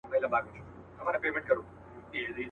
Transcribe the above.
پاچا مړ وو دوى وه خلك رابللي.